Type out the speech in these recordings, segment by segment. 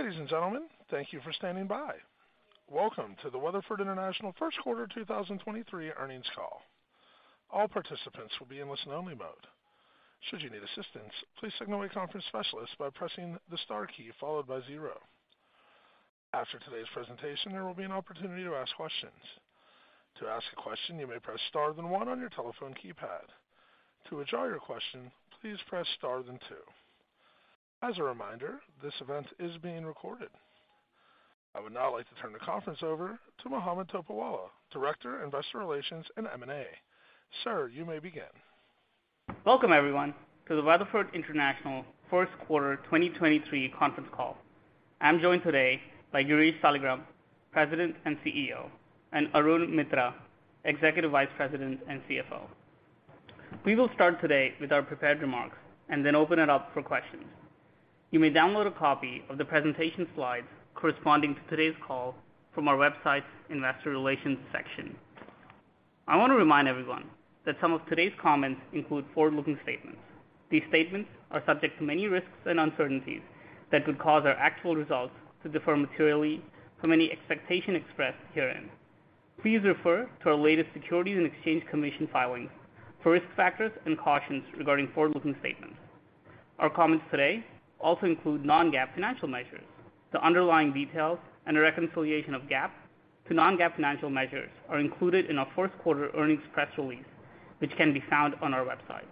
Ladies and gentlemen, thank you for standing by. Welcome to the Weatherford International First Quarter 2023 Earnings Call. All participants will be in listen-only mode. Should you need assistance, please signal a conference specialist by pressing the star key followed by zero. After today's presentation, there will be an opportunity to ask questions. To ask a question, you may press star then one on your telephone keypad. To withdraw your question, please press star then two. As a reminder, this event is being recorded. I would now like to turn the conference over to Mohammed Topiwala, Director, Investor Relations and M&A. Sir, you may begin. Welcome everyone to the Weatherford International First Quarter 2023 Conference Call. I'm joined today by Girish Saligram, President and CEO, and Arun Mitra, Executive Vice President and CFO. We will start today with our prepared remarks and then open it up for questions. You may download a copy of the presentation slides corresponding to today's call from our website's Investor Relations section. I want to remind everyone that some of today's comments include forward-looking statements. These statements are subject to many risks and uncertainties that could cause our actual results to differ materially from any expectation expressed herein. Please refer to our latest Securities and Exchange Commission filings for risk factors and cautions regarding forward-looking statements. Our comments today also include non-GAAP financial measures. The underlying details and a reconciliation of GAAP to non-GAAP financial measures are included in our first quarter earnings press release, which can be found on our website.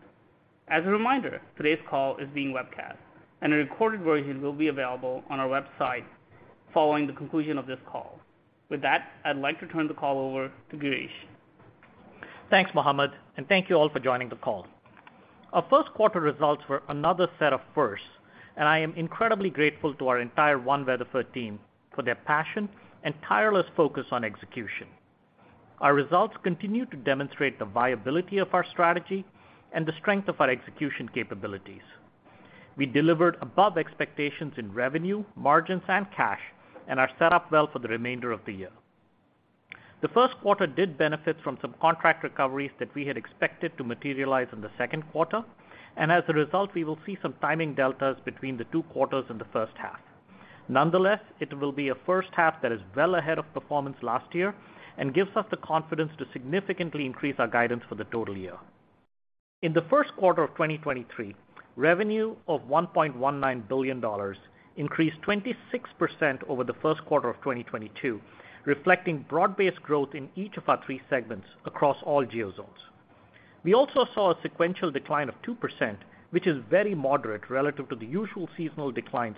As a reminder, today's call is being webcast, and a recorded version will be available on our website following the conclusion of this call. With that, I'd like to turn the call over to Girish. Thanks, Mohammed, and thank you all for joining the call. Our first quarter results were another set of firsts, and I am incredibly grateful to our entire One Weatherford team for their passion and tireless focus on execution. Our results continue to demonstrate the viability of our strategy and the strength of our execution capabilities. We delivered above expectations in revenue, margins, and cash, and are set up well for the remainder of the year. The first quarter did benefit from some contract recoveries that we had expected to materialize in the second quarter, and as a result, we will see some timing deltas between the two quarters in the first half. Nonetheless, it will be a first half that is well ahead of performance last year and gives us the confidence to significantly increase our guidance for the total year. In the first quarter of 2023, revenue of $1.19 billion increased 26% over the first quarter of 2022, reflecting broad-based growth in each of our three segments across all geo zones. We also saw a sequential decline of 2%, which is very moderate relative to the usual seasonal declines,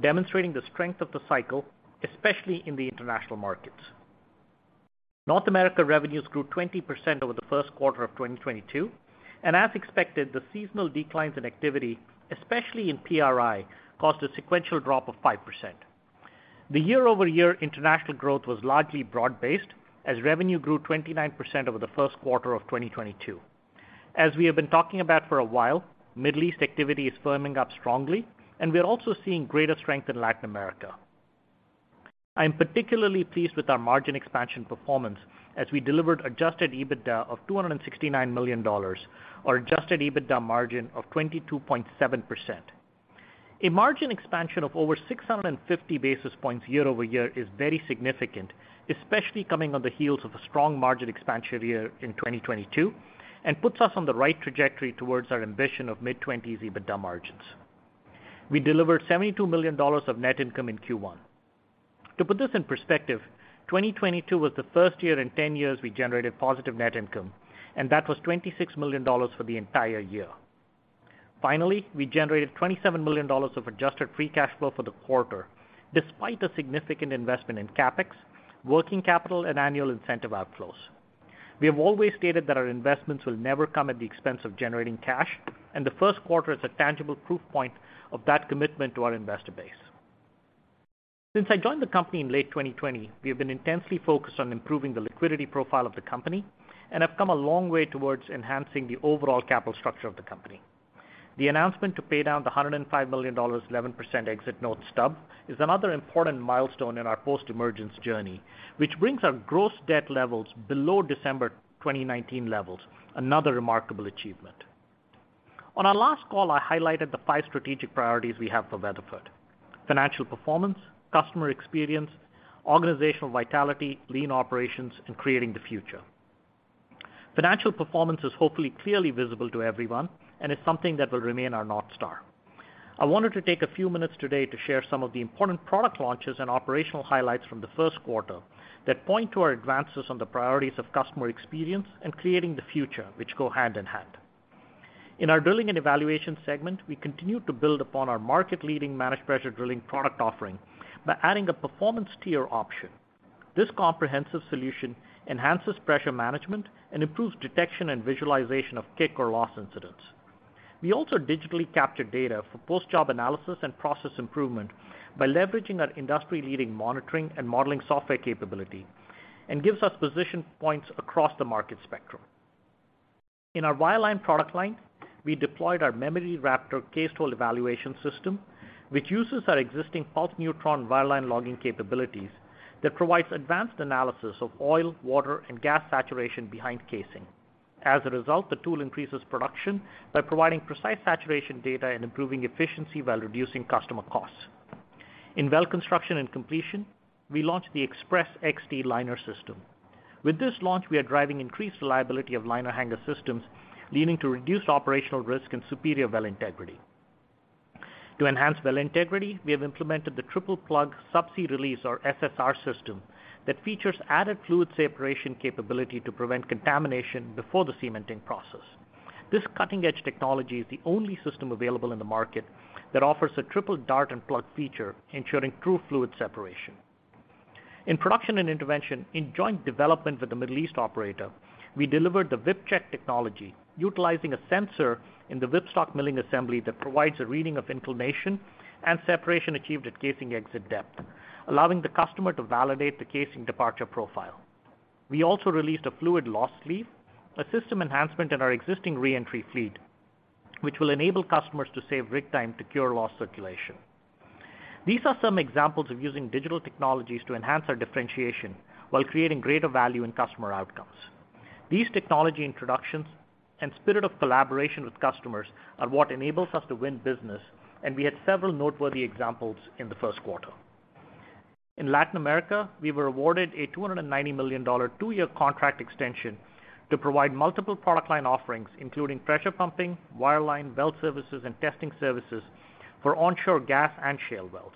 demonstrating the strength of the cycle, especially in the international markets. North America revenues grew 20% over the first quarter of 2022. As expected, the seasonal declines in activity, especially in PRI, caused a sequential drop of 5%. The year-over-year international growth was largely broad-based as revenue grew 29% over the first quarter of 2022. As we have been talking about for a while, Middle East activity is firming up strongly, and we are also seeing greater strength in Latin America. I am particularly pleased with our margin expansion performance as we delivered adjusted EBITDA of $269 million or adjusted EBITDA margin of 22.7%. A margin expansion of over 650 basis points year-over-year is very significant, especially coming on the heels of a strong margin expansion year in 2022, and puts us on the right trajectory towards our ambition of mid-20s EBITDA margins. We delivered $72 million of net income in Q1. To put this in perspective, 2022 was the first year in 10 years we generated positive net income, and that was $26 million for the entire year. Finally, we generated $27 million of adjusted free cash flow for the quarter, despite a significant investment in CapEx, working capital, and annual incentive outflows. We have always stated that our investments will never come at the expense of generating cash, and the first quarter is a tangible proof point of that commitment to our investor base. Since I joined the company in late 2020, we have been intensely focused on improving the liquidity profile of the company and have come a long way towards enhancing the overall capital structure of the company. The announcement to pay down the $105 million 11% exit note stub is another important milestone in our post-emergence journey, which brings our gross debt levels below December 2019 levels, another remarkable achievement. On our last call, I highlighted the five strategic priorities we have for Weatherford: financial performance, customer experience, organizational vitality, lean operations, and creating the future. Financial performance is hopefully clearly visible to everyone and is something that will remain our North Star. I wanted to take a few minutes today to share some of the important product launches and operational highlights from the first quarter that point to our advances on the priorities of customer experience and creating the future, which go hand in hand. In our drilling and evaluation segment, we continue to build upon our market-leading Managed Pressure Drilling product offering by adding a performance tier option. This comprehensive solution enhances pressure management and improves detection and visualization of kick or loss incidents. We also digitally capture data for post-job analysis and process improvement by leveraging our industry-leading monitoring and modeling software capability and gives us position points across the market spectrum. In our wireline product line, we deployed our Memory Raptor cased-hole evaluation system, which uses our existing pulsed neutron wireline logging capabilities that provides advanced analysis of oil, water, and gas saturation behind casing. The tool increases production by providing precise saturation data and improving efficiency while reducing customer costs. In well construction and completion, we launched the Xpress XT Liner system. With this launch, we are driving increased reliability of liner hanger systems, leading to reduced operational risk and superior well integrity. To enhance well integrity, we have implemented the Triple-Plug Subsea Release or FSR system that features added fluid separation capability to prevent contamination before the cementing process. This cutting-edge technology is the only system available in the market that offers a triple dart and plug feature, ensuring true fluid separation. In production and intervention, in joint development with the Middle East operator, we delivered the Whipcheck technology, utilizing a sensor in the whipstock milling assembly that provides a reading of inclination and separation achieved at casing exit depth, allowing the customer to validate the casing departure profile. We also released a fluid loss sleeve, a system enhancement in our existing re-entry fleet, which will enable customers to save rig time to cure loss circulation. These are some examples of using digital technologies to enhance our differentiation while creating greater value in customer outcomes. These technology introductions and spirit of collaboration with customers are what enables us to win business, and we had several noteworthy examples in the first quarter. In Latin America, we were awarded a $290 million two-year contract extension to provide multiple product line offerings, including pressure pumping, wireline, well services, and testing services for onshore gas and shale wells.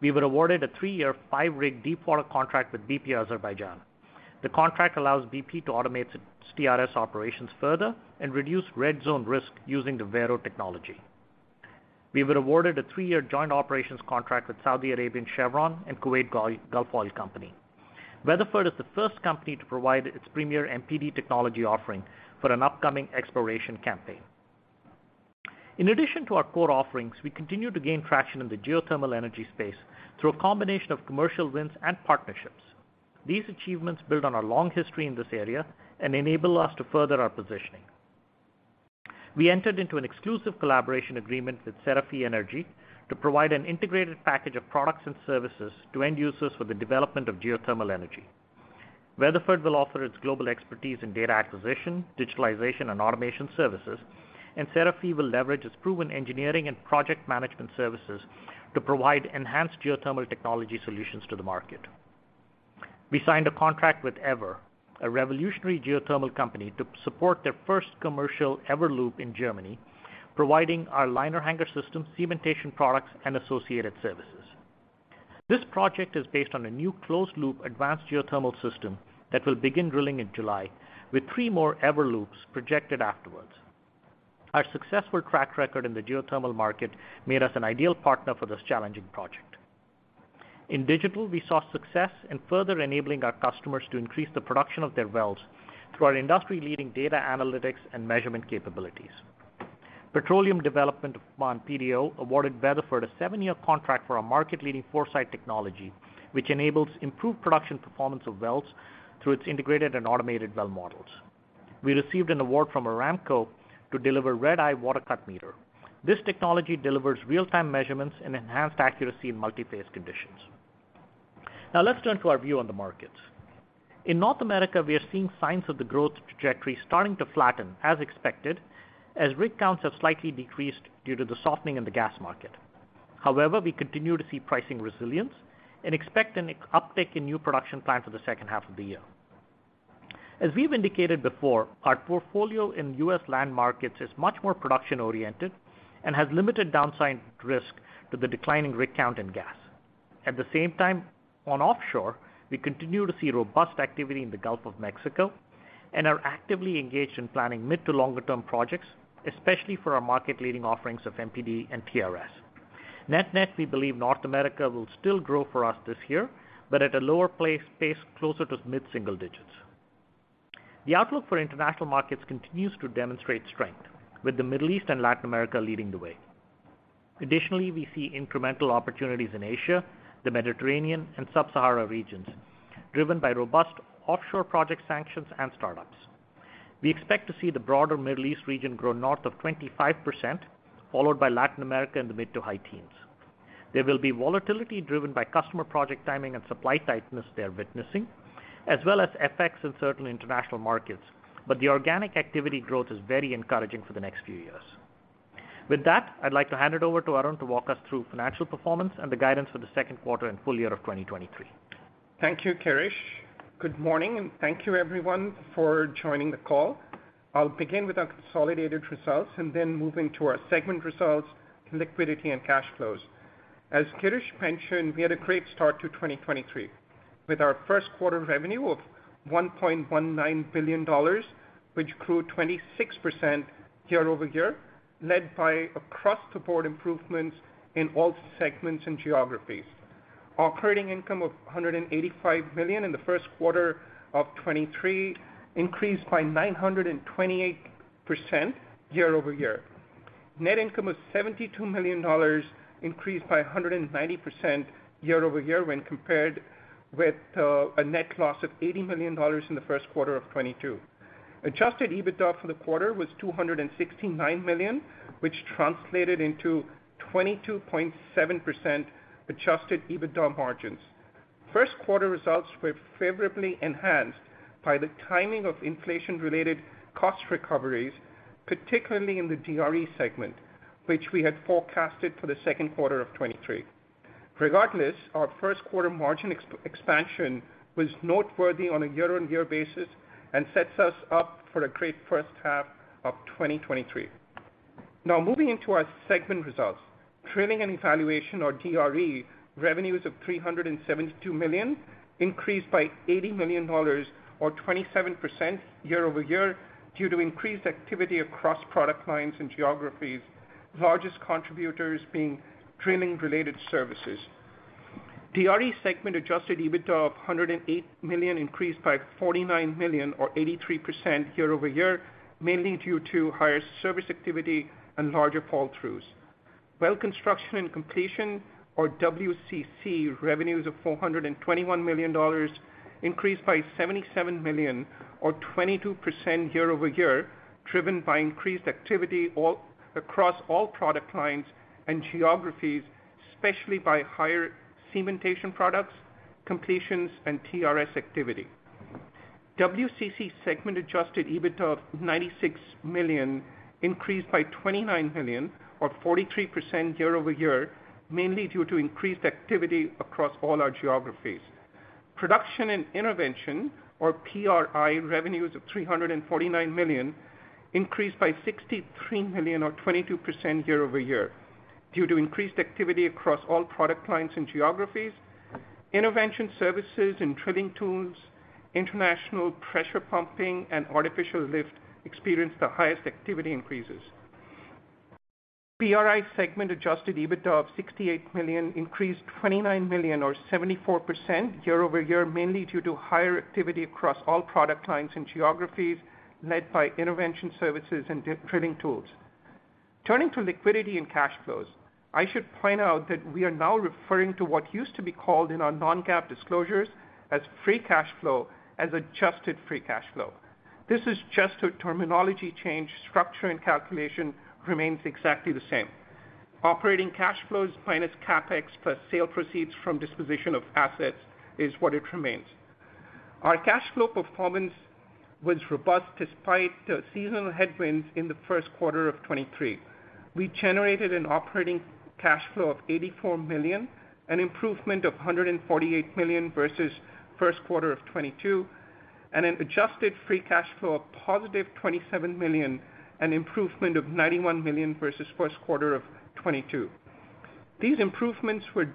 We were awarded a three-year, five-rig deepwater contract with bp Azerbaijan. The contract allows bp to automate its TRS operations further and reduce red zone risk using the Vero technology. We were awarded a three-year joint operations contract with Saudi Arabian Chevron and Kuwait Gulf Oil Company. Weatherford is the first company to provide its premier MPD technology offering for an upcoming exploration campaign. In addition to our core offerings, we continue to gain traction in the geothermal energy space through a combination of commercial wins and partnerships. These achievements build on our long history in this area and enable us to further our positioning. We entered into an exclusive collaboration agreement with CeraPhi Energy to provide an integrated package of products and services to end users for the development of geothermal energy. Weatherford will offer its global expertise in data acquisition, digitalization, and automation services, and CeraPhi will leverage its proven engineering and project management services to provide enhanced geothermal technology solutions to the market. We signed a contract with Eavor, a revolutionary geothermal company, to support their first commercial Eavor-Loop in Germany, providing our liner hanger system, cementation products, and associated services. This project is based on a new closed-loop advanced geothermal system that will begin drilling in July with three more Eavor-Loops projected afterwards. Our successful track record in the geothermal market made us an ideal partner for this challenging project. In digital, we saw success in further enabling our customers to increase the production of their wells through our industry-leading data analytics and measurement capabilities. Petroleum Development of Oman, PDO, awarded Weatherford a seven-year contract for our market-leading ForeSite technology, which enables improved production performance of wells through its integrated and automated well models. We received an award from Aramco to deliver Red Eye Water-Cut Meter. This technology delivers real-time measurements and enhanced accuracy in multi-phase conditions. Now let's turn to our view on the markets. In North America, we are seeing signs of the growth trajectory starting to flatten, as expected, as rig counts have slightly decreased due to the softening in the gas market. However, we continue to see pricing resilience and expect an uptick in new production plans for the second half of the year. As we've indicated before, our portfolio in U.S. land markets is much more production-oriented and has limited downside risk to the declining rig count in gas. At the same time, on offshore, we continue to see robust activity in the Gulf of Mexico and are actively engaged in planning mid to longer term projects, especially for our market-leading offerings of MPD and TRS. Net-net, we believe North America will still grow for us this year, but at a lower pace, closer to mid-single digits. The outlook for international markets continues to demonstrate strength, with the Middle East and Latin America leading the way. Additionally, we see incremental opportunities in Asia, the Mediterranean, and Sub-Sahara regions, driven by robust offshore project sanctions and startups. We expect to see the broader Middle East region grow north of 25%, followed by Latin America in the mid to high teens. There will be volatility driven by customer project timing and supply tightness they are witnessing, as well as FX in certain international markets. The organic activity growth is very encouraging for the next few years. With that, I'd like to hand it over to Arun to walk us through financial performance and the guidance for the second quarter and full year of 2023. Thank you, Girish. Good morning, and thank you everyone for joining the call. I'll begin with our consolidated results and then move into our segment results, liquidity, and cash flows. As Girish mentioned, we had a great start to 2023, with our first quarter revenue of $1.19 billion, which grew 26% year-over-year, led by across the board improvements in all segments and geographies. Our recurring income of $185 million in the first quarter of 2023 increased by 928% year-over-year. Net income was $72 million, increased by 190% year-over-year when compared with a net loss of $80 million in the first quarter of 2022. Adjusted EBITDA for the quarter was $269 million, which translated into 22.7% adjusted EBITDA margins. First quarter results were favorably enhanced by the timing of inflation-related cost recoveries, particularly in the DRE segment, which we had forecasted for the second quarter of 2023. Regardless, our first quarter margin ex-expansion was noteworthy on a year-on-year basis and sets us up for a great first half of 2023. Now, moving into our segment results. Drilling and Evaluation, or DRE, revenues of $372 million increased by $80 million or 27% year-over-year due to increased activity across product lines and geographies, largest contributors being drilling-related services. DRE segment adjusted EBITDA of $108 million increased by $49 million or 83% year-over-year, mainly due to higher service activity and larger fall-throughs. Well Construction and Completion, or WCC, revenues of $421 million increased by $77 million or 22% year-over-year, driven by increased activity across all product lines and geographies, especially by higher cementation products, completions, and TRS activity. WCC segment adjusted EBITDA of $96 million increased by $29 million or 43% year-over-year, mainly due to increased activity across all our geographies. Production and Intervention, or PRI, revenues of $349 million increased by $63 million or 22% year-over-year due to increased activity across all product lines and geographies. Intervention services and drilling tools, international pressure pumping, and artificial lift experienced the highest activity increases. PRI segment adjusted EBITDA of $68 million increased $29 million or 74% year-over-year, mainly due to higher activity across all product lines and geographies led by intervention services and drilling tools. Turning to liquidity and cash flows, I should point out that we are now referring to what used to be called in our non-GAAP disclosures as free cash flow as adjusted free cash flow. This is just a terminology change. Structure and calculation remains exactly the same. Operating cash flows minus CapEx plus sale proceeds from disposition of assets is what it remains. Our cash flow performance was robust despite the seasonal headwinds in Q1 2023. We generated an operating cash flow of $84 million, an improvement of $148 million versus first quarter of 2022, and an adjusted free cash flow of +$27 million, an improvement of $91 million versus first quarter of 2022. These improvements were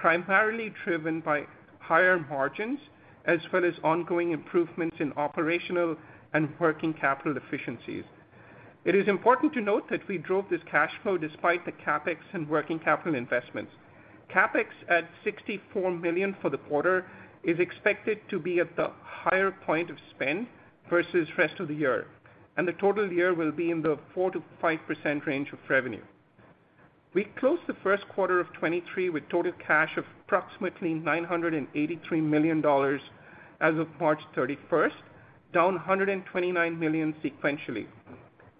primarily driven by higher margins as well as ongoing improvements in operational and working capital efficiencies. It is important to note that we drove this cash flow despite the CapEx and working capital investments. CapEx at $64 million for the quarter is expected to be at the higher point of spend versus rest of the year, and the total year will be in the 4%-5% range of revenue. We closed the first quarter of 2023 with total cash of approximately $983 million as of March 31st, down $129 million sequentially.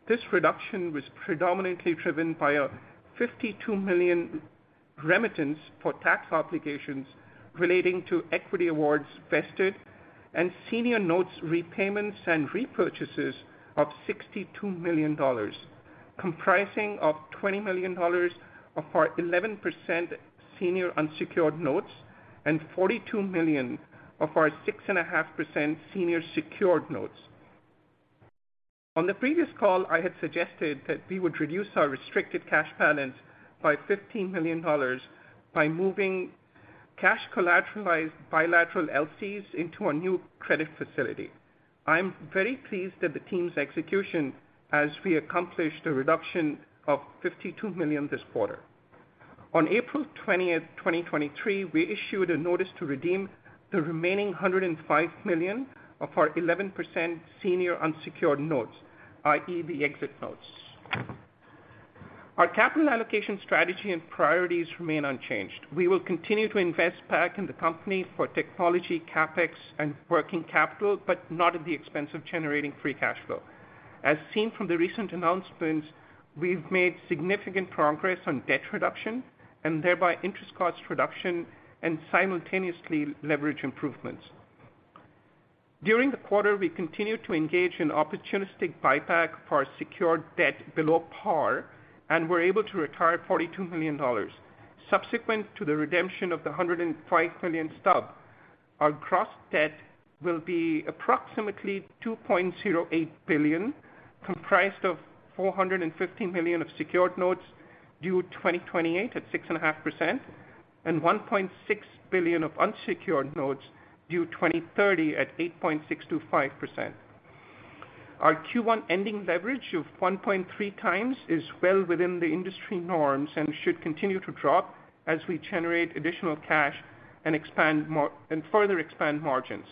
This reduction was predominantly driven by a $52 million remittance for tax obligations relating to equity awards vested and senior notes repayments and repurchases of $62 million, comprising of $20 million of our 11% senior unsecured notes and $42 million of our 6.5% senior secured notes. On the previous call, I had suggested that we would reduce our restricted cash balance by $15 million by moving cash collateralized bilateral LCs into a new credit facility. I'm very pleased at the team's execution as we accomplished a reduction of $52 million this quarter. On April 20, 2023, we issued a notice to redeem the remaining $105 million of our 11% senior unsecured notes, i.e., the exit notes. Our capital allocation strategy and priorities remain unchanged. We will continue to invest back in the company for technology, CapEx, and working capital, but not at the expense of generating free cash flow. As seen from the recent announcements, we've made significant progress on debt reduction and thereby interest cost reduction and simultaneously leverage improvements. During the quarter, we continued to engage in opportunistic buyback for our secured debt below par and were able to retire $42 million. Subsequent to the redemption of the $105 million stub, our gross debt will be approximately $2.08 billion, comprised of $450 million of secured notes due 2028 at 6.5% and $1.6 billion of unsecured notes due 2030 at 8.625%. Our Q1 ending leverage of 1.3x is well within the industry norms and should continue to drop as we generate additional cash and further expand margins.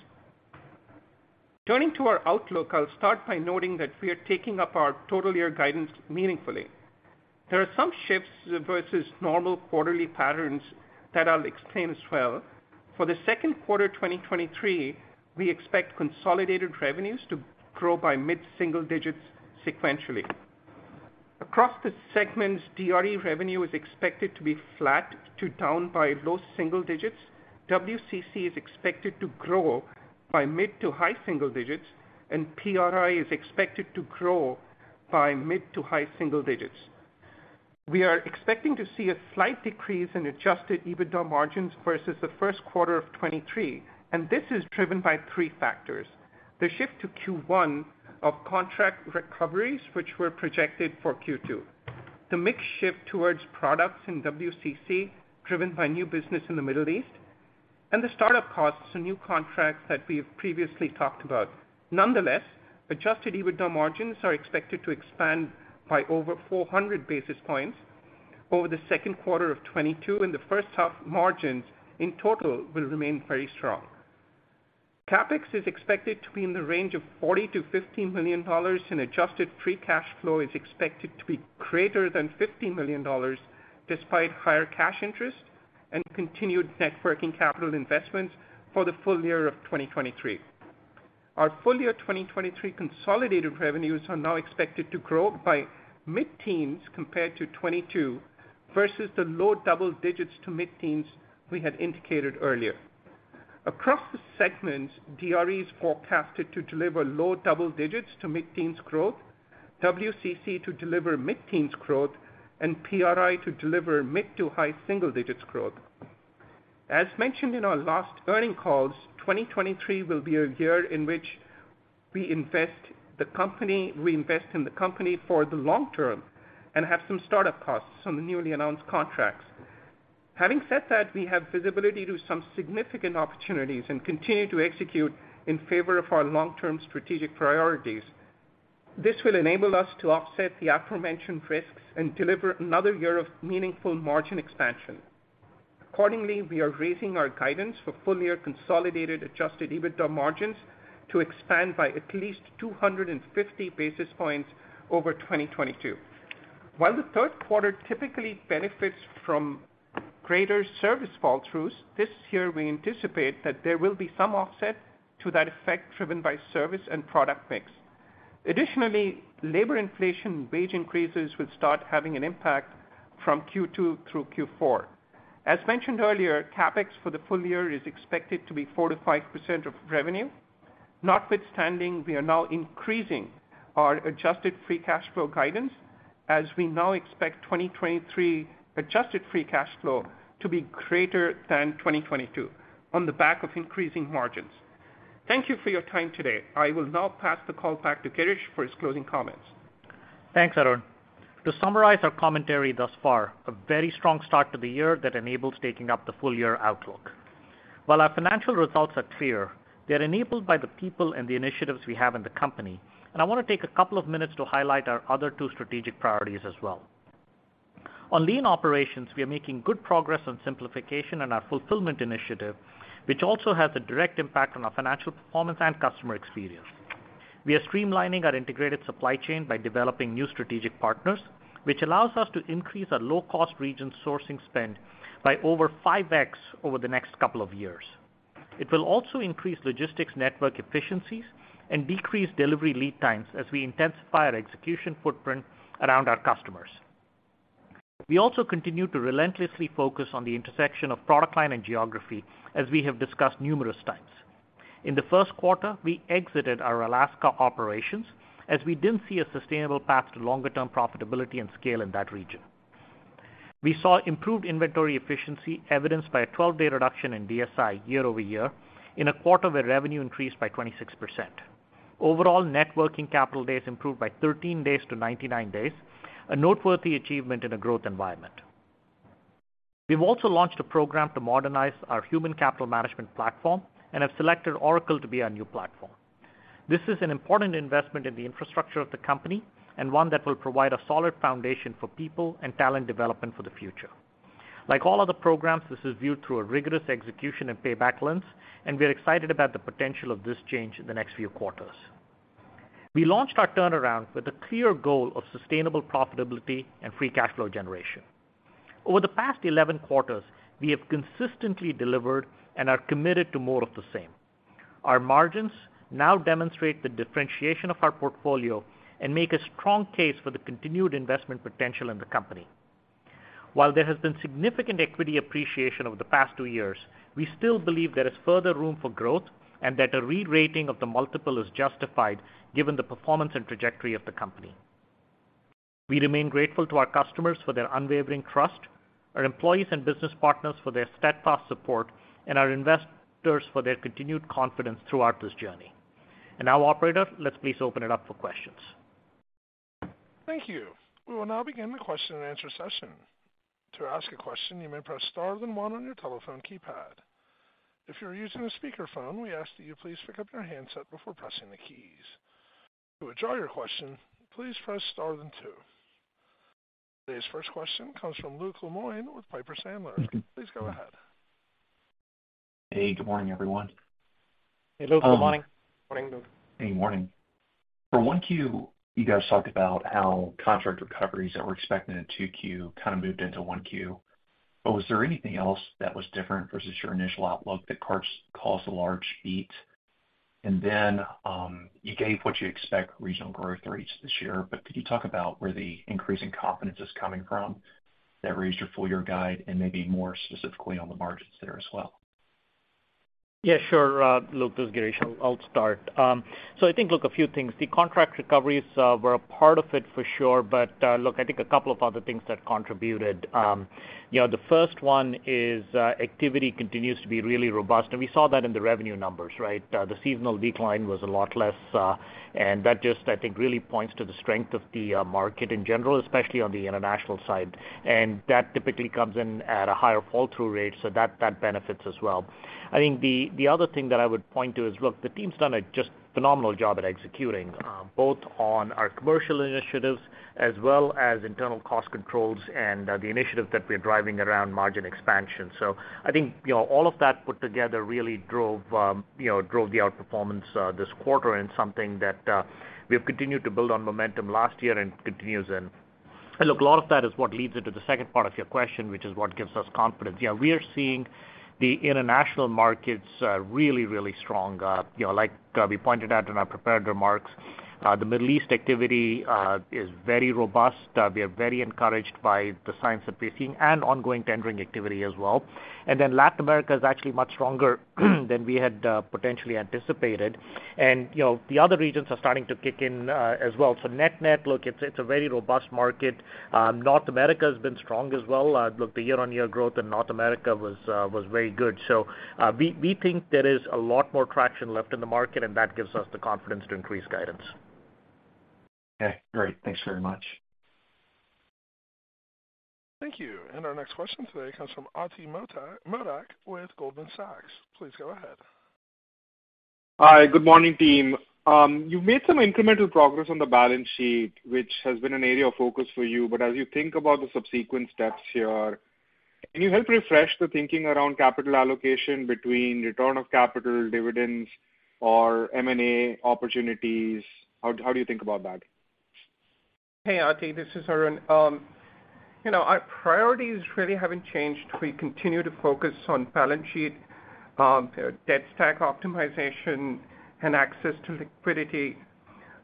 Turning to our outlook, I'll start by noting that we are taking up our total year guidance meaningfully. There are some shifts versus normal quarterly patterns that I'll explain as well. For the second quarter 2023, we expect consolidated revenues to grow by mid-single digits sequentially. Across the segments, DRE revenue is expected to be flat to down by low single digits. WCC is expected to grow by mid to high single digits. And PRI is expected to grow by mid to high single digits. We are expecting to see a slight decrease in adjusted EBITDA margins versus the first quarter of 2023. This is driven by three factors. The shift to Q1 of contract recoveries, which were projected for Q2. The mix shift towards products in WCC, driven by new business in the Middle East. The start-up costs and new contracts that we have previously talked about. Nonetheless, adjusted EBITDA margins are expected to expand by over 400 basis points over the second quarter of 2022, and the first half margins in total will remain very strong. CapEx is expected to be in the range of $40 million-$50 million, and adjusted free cash flow is expected to be greater than $50 million despite higher cash interest and continued networking capital investments for the full year of 2023. Our full year 2023 consolidated revenues are now expected to grow by mid-teens compared to 2022 versus the low double digits to mid-teens we had indicated earlier. Across the segments, DRE is forecasted to deliver low double-digits to mid-teens growth, WCC to deliver mid-teens growth, and PRI to deliver mid to high single-digits growth. As mentioned in our last earnings calls, 2023 will be a year in which we invest in the company for the long term and have some start-up costs on the newly announced contracts. Having said that, we have visibility to some significant opportunities and continue to execute in favor of our long-term strategic priorities. This will enable us to offset the aforementioned risks and deliver another year of meaningful margin expansion. Accordingly, we are raising our guidance for full-year consolidated adjusted EBITDA margins to expand by at least 250 basis points over 2022. While the third quarter typically benefits from greater service fall-throughs, this year we anticipate that there will be some offset to that effect driven by service and product mix. Additionally, labor inflation wage increases will start having an impact from Q2 through Q4. As mentioned earlier, CapEx for the full year is expected to be 4%-5% of revenue. Notwithstanding, we are now increasing our adjusted free cash flow guidance as we now expect 2023 adjusted free cash flow to be greater than 2022 on the back of increasing margins. Thank you for your time today. I will now pass the call back to Girish for his closing comments. Thanks, Arun. To summarize our commentary thus far, a very strong start to the year that enables taking up the full year outlook. While our financial results are clear, they're enabled by the people and the initiatives we have in the company, I want to take a couple of minutes to highlight our other two strategic priorities as well. On lean operations, we are making good progress on simplification and our fulfillment initiative, which also has a direct impact on our financial performance and customer experience. We are streamlining our integrated supply chain by developing new strategic partners, which allows us to increase our low-cost region sourcing spend by over 5x over the next couple of years. It will also increase logistics network efficiencies and decrease delivery lead times as we intensify our execution footprint around our customers. We also continue to relentlessly focus on the intersection of product line and geography, as we have discussed numerous times. In the first quarter, we exited our Alaska operations as we didn't see a sustainable path to longer-term profitability and scale in that region. We saw improved inventory efficiency evidenced by a 12-day reduction in DSI year-over-year in a quarter where revenue increased by 26%. Overall, networking capital days improved by 13 days to 99 days, a noteworthy achievement in a growth environment. We've also launched a program to modernize our human capital management platform and have selected Oracle to be our new platform. This is an important investment in the infrastructure of the company and one that will provide a solid foundation for people and talent development for the future. Like all other programs, this is viewed through a rigorous execution and payback lens. We are excited about the potential of this change in the next few quarters. We launched our turnaround with a clear goal of sustainable profitability and free cash flow generation. Over the past 11 quarters, we have consistently delivered and are committed to more of the same. Our margins now demonstrate the differentiation of our portfolio and make a strong case for the continued investment potential in the company. While there has been significant equity appreciation over the past two years, we still believe there is further room for growth and that a re-rating of the multiple is justified given the performance and trajectory of the company. We remain grateful to our customers for their unwavering trust, our employees and business partners for their steadfast support, and our investors for their continued confidence throughout this journey. Now, operator, let's please open it up for questions. Thank you. We will now begin the question and answer session. To ask a question, you may press star then one on your telephone keypad. If you're using a speakerphone, we ask that you please pick up your handset before pressing the keys. To withdraw your question, please press star then two. Today's first question comes from Luke Lemoine with Piper Sandler. Please go ahead. Hey, good morning, everyone. Hey, Luke. Good morning. Morning, Luke. Hey, morning. For 1Q, you guys talked about how contract recoveries that were expected in 2Q kinda moved into 1Q. Was there anything else that was different versus your initial outlook that caused a large beat? And then, you gave what you expect regional growth rates this year. Could you talk about where the increasing confidence is coming from that raised your full year guide and maybe more specifically on the margins there as well? Yeah, sure. Look, this is Girish. I'll start. I think, look, a few things. The contract recoveries were a part of it for sure. Look, I think a couple of other things that contributed. You know, the first one is, activity continues to be really robust, and we saw that in the revenue numbers, right? The seasonal decline was a lot less, and that just, I think, really points to the strength of the market in general, especially on the international side. That typically comes in at a higher fall-through rate, so that benefits as well. I think the other thing that I would point to is, look, the team's done a just phenomenal job at executing, both on our commercial initiatives as well as internal cost controls and the initiatives that we're driving around margin expansion. I think, you know, all of that put together really drove, you know, drove the outperformance this quarter and something that we have continued to build on momentum last year and continues. Look, a lot of that is what leads into the second part of your question, which is what gives us confidence. We are seeing the international markets really strong. You know, like we pointed out in our prepared remarks, the Middle East activity is very robust. We are very encouraged by the signs that we're seeing and ongoing tendering activity as well. Latin America is actually much stronger than we had potentially anticipated. You know, the other regions are starting to kick in as well. Net-net, look, it's a very robust market. North America has been strong as well. Look, the year-on-year growth in North America was very good. We, we think there is a lot more traction left in the market, and that gives us the confidence to increase guidance. Okay, great. Thanks very much. Thank you. Our next question today comes from Ati Modak with Goldman Sachs. Please go ahead. Hi, good morning, team. You've made some incremental progress on the balance sheet, which has been an area of focus for you. As you think about the subsequent steps here, can you help refresh the thinking around capital allocation between return of capital dividends or M&A opportunities? How do you think about that? Hey, Ati, this is Arun. You know, our priorities really haven't changed. We continue to focus on balance sheet, debt stack optimization, and access to liquidity.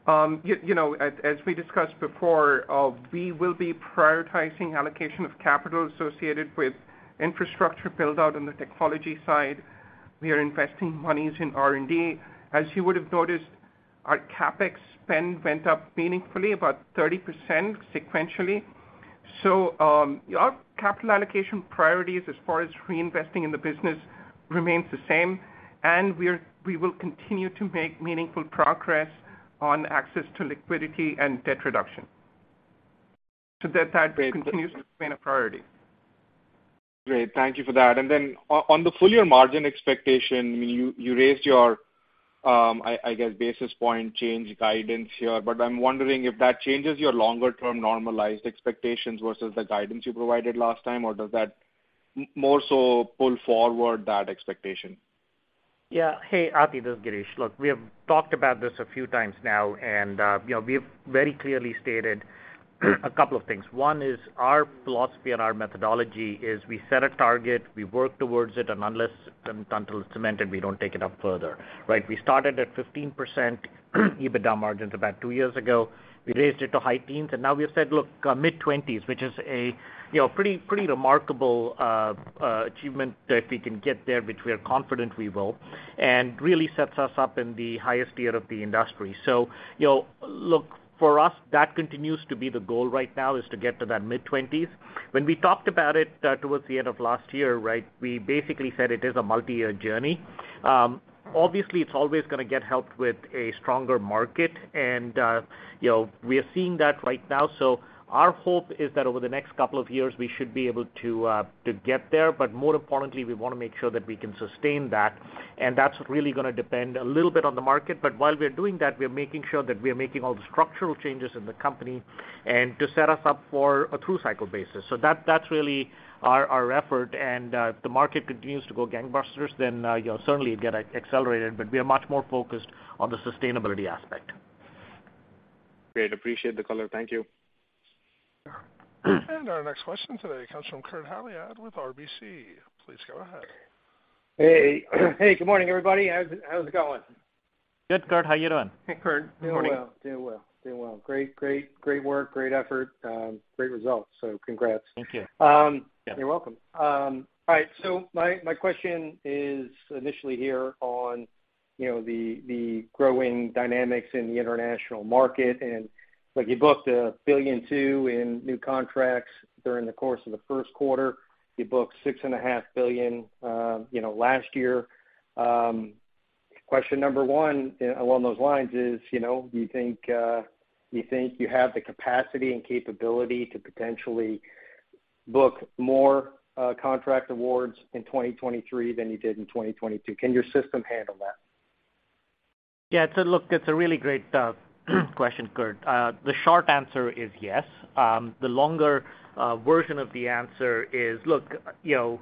You know, as we discussed before, we will be prioritizing allocation of capital associated with infrastructure build-out on the technology side. We are investing monies in R&D. As you would have noticed, our CapEx spend went up meaningfully, about 30% sequentially. Our capital allocation priorities as far as reinvesting in the business remains the same, and we will continue to make meaningful progress on access to liquidity and debt reduction. That continues to remain a priority. Great. Thank you for that. On the full year margin expectation, I mean, you raised your, I guess, basis point change guidance here. I'm wondering if that changes your longer term normalized expectations versus the guidance you provided last time, or does that more so pull forward that expectation? Yeah. Hey, Ati, this is Girish. Look, we have talked about this a few times now, you know, we've very clearly stated a couple of things. One is our philosophy and our methodology is we set a target, we work towards it, unless and until it's cemented, we don't take it up further, right? We started at 15% EBITDA margins about two years ago. We raised it to high teens, now we have said, look, mid-20s, which is a, you know, pretty remarkable achievement that we can get there, which we are confident we will, and really sets us up in the highest tier of the industry. You know, look, for us, that continues to be the goal right now is to get to that mid-20s. When we talked about it, towards the end of last year, right, we basically said it is a multi-year journey. Obviously, it's always gonna get helped with a stronger market and, you know, we are seeing that right now. Our hope is that over the next couple of years, we should be able to get there. More importantly, we wanna make sure that we can sustain that, and that's really gonna depend a little bit on the market. While we're doing that, we're making sure that we are making all the structural changes in the company and to set us up for a two-cycle basis. That's really our effort. If the market continues to go gangbusters, then, you know, certainly it get accelerated, but we are much more focused on the sustainability aspect. Great. Appreciate the color. Thank you. Our next question today comes from Kurt Hallead with RBC. Please go ahead. Hey, good morning, everybody. How's it going? Good, Kurt. How are you doing? Hey, Kurt. Good morning. Doing well. Great. Great work, great effort, great results. Congrats. Thank you. You're welcome. All right, my question is initially here on, you know, the growing dynamics in the international market. Look, you booked $1.2 billion in new contracts during the course of the first quarter. You booked $6.5 billion, you know, last year. Question number one, along those lines is, you know, do you think you have the capacity and capability to potentially book more, contract awards in 2023 than you did in 2022? Can your system handle that? Yeah, so look, it's a really great question, Kurt. The short answer is yes. The longer version of the answer is, look, you know,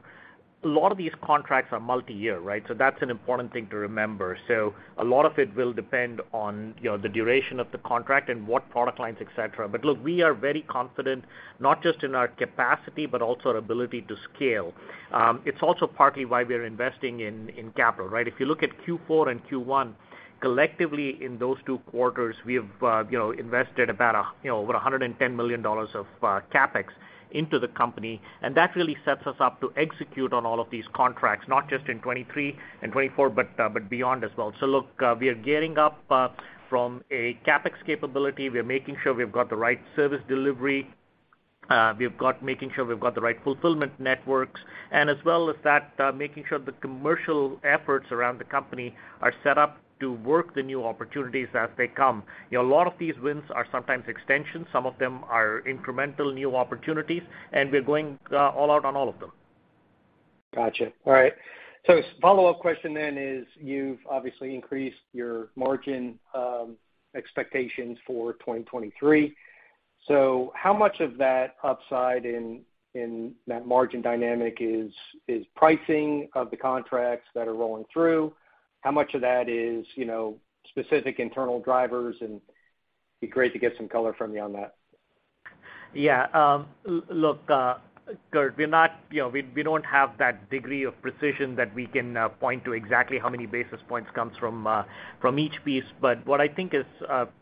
a lot of these contracts are multi-year, right? That's an important thing to remember. A lot of it will depend on, you know, the duration of the contract and what product lines, et cetera. Look, we are very confident not just in our capacity, but also our ability to scale. It's also partly why we're investing in capital, right? If you look at Q4 and Q1. Collectively, in those two quarters, we have, you know, invested about over $110 million of CapEx into the company. That really sets us up to execute on all of these contracts, not just in 2023 and 2024, but beyond as well. Look, we are gearing up from a CapEx capability. We are making sure we've got the right service delivery. making sure we've got the right fulfillment networks. As well as that, making sure the commercial efforts around the company are set up to work the new opportunities as they come. You know, a lot of these wins are sometimes extensions, some of them are incremental new opportunities, we're going all out on all of them. Gotcha. All right. Follow-up question then is, you've obviously increased your margin expectations for 2023. How much of that upside in that margin dynamic is pricing of the contracts that are rolling through? How much of that is, you know, specific internal drivers? It'd be great to get some color from you on that. Yeah. Look, Kurt, we're not, you know, we don't have that degree of precision that we can point to exactly how many basis points comes from each piece. What I think is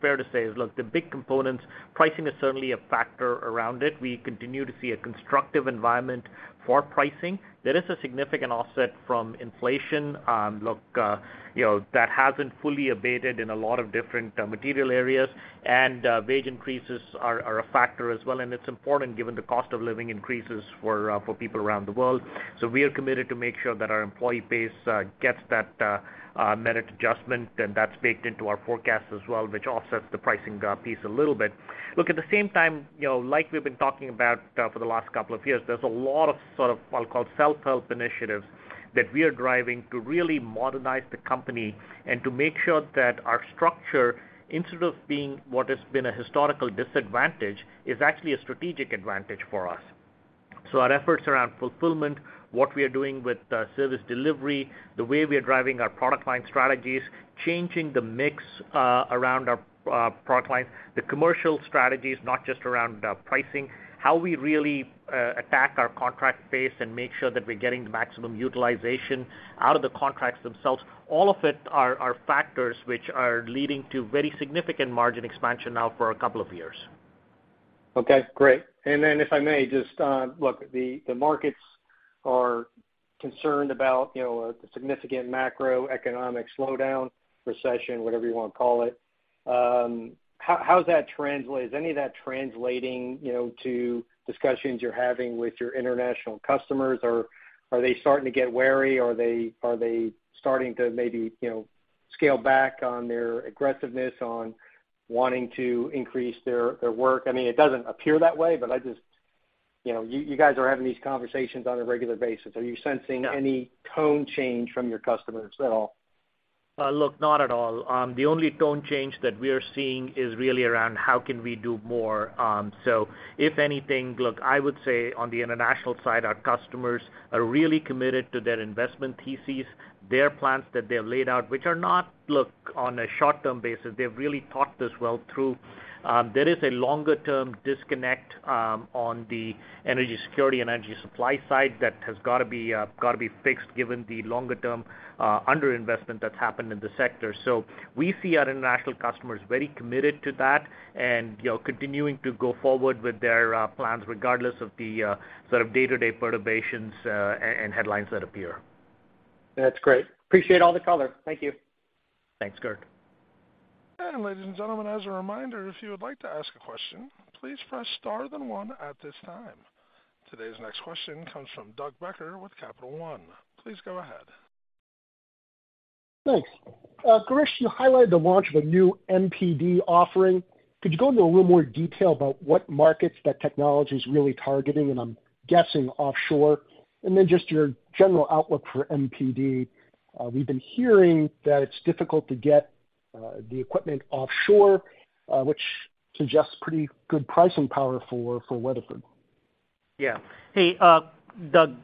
fair to say is, look, the big components, pricing is certainly a factor around it. We continue to see a constructive environment for pricing. There is a significant offset from inflation. Look, you know, that hasn't fully abated in a lot of different material areas, and wage increases are a factor as well. It's important given the cost of living increases for people around the world. We are committed to make sure that our employee base gets that merit adjustment, and that's baked into our forecast as well, which offsets the pricing piece a little bit. Look, at the same time, you know, like we've been talking about, for the last couple of years, there's a lot of sort of, I'll call it self-help initiatives that we are driving to really modernize the company and to make sure that our structure, instead of being what has been a historical disadvantage, is actually a strategic advantage for us. Our efforts around fulfillment, what we are doing with service delivery, the way we are driving our product line strategies, changing the mix around our product lines, the commercial strategies, not just around pricing, how we really attack our contract base and make sure that we're getting the maximum utilization out of the contracts themselves, all of it are factors which are leading to very significant margin expansion now for a couple of years. Okay, great. If I may just, look, the markets are concerned about, you know, a significant macroeconomic slowdown, recession, whatever you wanna call it. How does that translate? Is any of that translating, you know, to discussions you're having with your international customers, or are they starting to get wary? Are they starting to maybe, you know, scale back on their aggressiveness on wanting to increase their work? I mean, it doesn't appear that way, but I just. You know, you guys are having these conversations on a regular basis. Are you sensing any tone change from your customers at all? Look, not at all. The only tone change that we are seeing is really around how can we do more. If anything, look, I would say on the international side, our customers are really committed to their investment theses, their plans that they have laid out, which are not, look, on a short-term basis. They've really thought this well through. There is a longer term disconnect on the energy security and energy supply side that has gotta be fixed given the longer term underinvestment that's happened in the sector. We see our international customers very committed to that and, you know, continuing to go forward with their plans regardless of the sort of day-to-day perturbations and headlines that appear. That's great. Appreciate all the color. Thank you. Thanks, Kurt. Ladies and gentlemen, as a reminder, if you would like to ask a question, please press star then one at this time. Today's next question comes from Doug Becker with Capital One. Please go ahead. Thanks. Girish, you highlighted the launch of a new MPD offering. Could you go into a little more detail about what markets that technology is really targeting? I'm guessing offshore. Just your general outlook for MPD. We've been hearing that it's difficult to get the equipment offshore, which suggests pretty good pricing power for Weatherford. Yeah. Hey, Doug,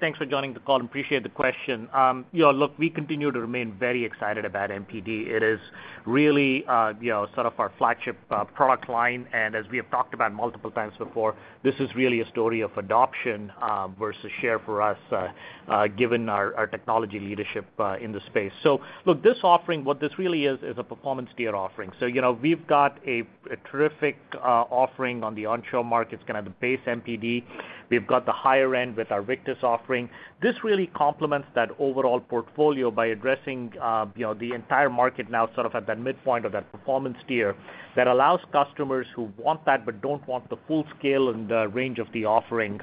thanks for joining the call and appreciate the question. You know, look, we continue to remain very excited about MPD. It is really, you know, sort of our flagship product line. As we have talked about multiple times before, this is really a story of adoption versus share for us, given our technology leadership in the space. Look, this offering, what this really is a performance tier offering. You know, we've got a terrific offering on the onshore markets, kind of the base MPD. We've got the higher end with our Victus offering. This really complements that overall portfolio by addressing, you know, the entire market now sort of at that midpoint of that performance tier that allows customers who want that but don't want the full scale and range of the offering.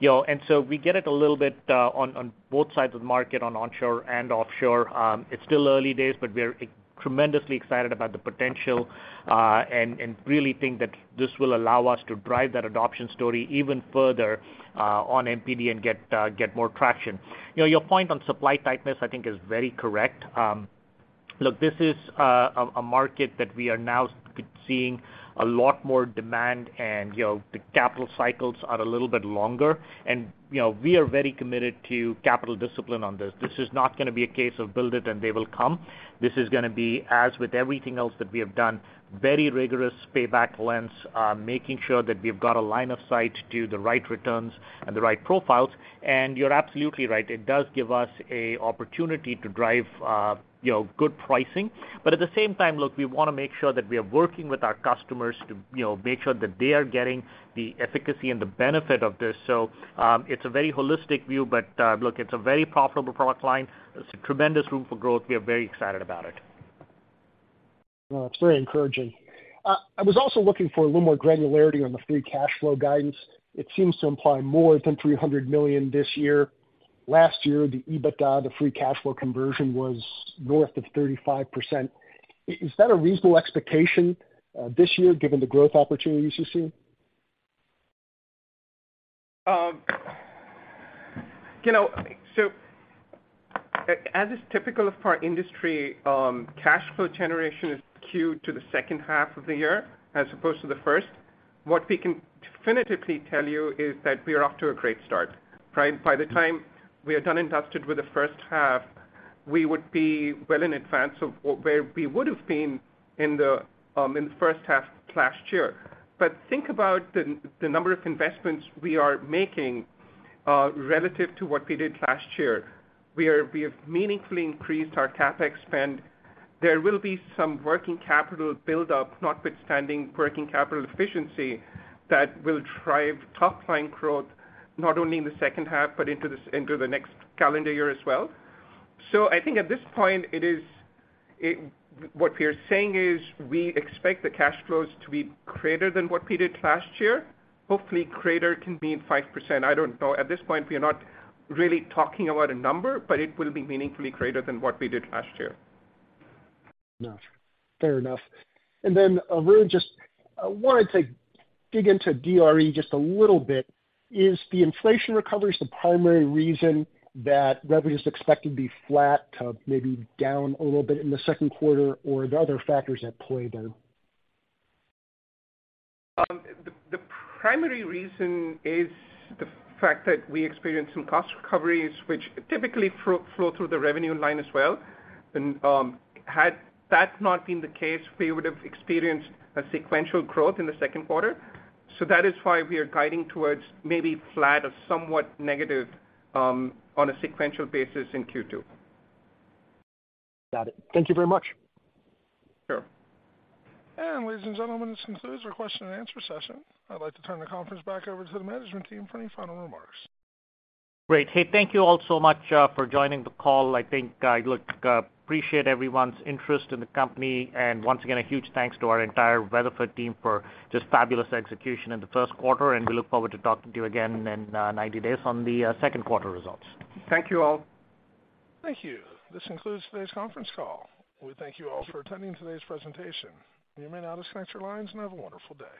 You know, we get it a little bit on both sides of the market on onshore and offshore. It's still early days, but we're tremendously excited about the potential and really think that this will allow us to drive that adoption story even further on MPD and get more traction. You know, your point on supply tightness, I think is very correct. Look, this is a market that we are now seeing a lot more demand and, you know, the capital cycles are a little bit longer and, you know, we are very committed to capital discipline on this. This is not gonna be a case of build it and they will come. This is gonna be as with everything else that we have done, very rigorous payback lengths, making sure that we've got a line of sight to the right returns and the right profiles. You're absolutely right, it does give us a opportunity to drive, you know, good pricing. At the same time, look, we wanna make sure that we are working with our customers to, you know, make sure that they are getting the efficacy and the benefit of this. It's a very holistic view, but look, it's a very profitable product line. It's a tremendous room for growth. We are very excited about it. Well, it's very encouraging. I was also looking for a little more granularity on the free cash flow guidance. It seems to imply more than $300 million this year. Last year, the EBITDA, the free cash flow conversion was north of 35%. Is that a reasonable expectation this year given the growth opportunities you see? You know, as is typical of our industry, cash flow generation is queued to the second half of the year as opposed to the first. What we can definitively tell you is that we are off to a great start, right? By the time we are done and dusted with the first half, we would be well in advance of where we would've been in the first half last year. Think about the number of investments we are making, relative to what we did last year. We have meaningfully increased our CapEx spend. There will be some working capital buildup, notwithstanding working capital efficiency, that will drive top line growth, not only in the second half, but into the next calendar year as well. I think at this point, what we are saying is we expect the cash flows to be greater than what we did last year. Hopefully, greater can mean 5%. I don't know. At this point, we are not really talking about a number, but it will be meaningfully greater than what we did last year. Gotcha. Fair enough. Then, really just wanted to dig into DRE just a little bit. Is the inflation recovery is the primary reason that revenue is expected to be flat to maybe down a little bit in the second quarter, or are there other factors at play there? The primary reason is the fact that we experienced some cost recoveries which typically flow through the revenue line as well. Had that not been the case, we would have experienced a sequential growth in the second quarter. That is why we are guiding towards maybe flat or somewhat negative on a sequential basis in Q2. Got it. Thank you very much. Sure. Ladies and gentlemen, this concludes our question and answer session. I'd like to turn the conference back over to the management team for any final remarks. Great. Hey, thank you all so much for joining the call. I think, look, appreciate everyone's interest in the company. Once again, a huge thanks to our entire Weatherford team for just fabulous execution in the first quarter, and we look forward to talking to you again in 90 days on the second quarter results. Thank you all. Thank you. This concludes today's conference call. We thank you all for attending today's presentation. You may now disconnect your lines and have a wonderful day.